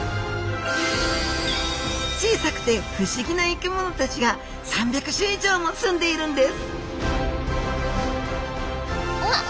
小さくて不思議な生き物たちが３００種以上も住んでいるんですわっ。